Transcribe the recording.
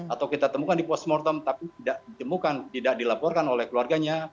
atau kita temukan di postmortem tapi tidak dilaporkan oleh keluarganya